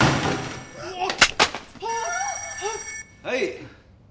はい。